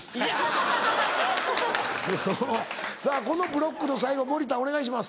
さぁこのブロックの最後森田お願いします。